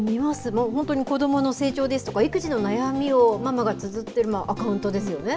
もう本当に子どもの成長ですとか、育児の悩みをママがつづっているアカウントですよね。